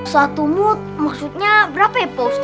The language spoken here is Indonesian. satu mut maksudnya berapa ya pak ustadz